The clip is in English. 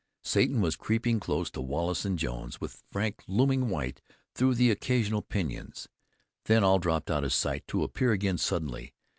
Satan was creeping close to Wallace and Jones, with Frank looming white through the occasional pinyons. Then all dropped out of sight, to appear again suddenly.